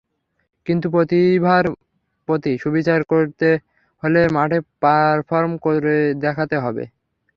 কিন্তু প্রতিভার প্রতি সুবিচার করতে হলে মাঠে পারফর্ম করে দেখাতে হবে।